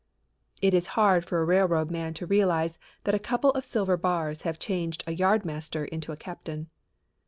It is hard for a railroad man to realize that a couple of silver bars have changed a yardmaster into a captain.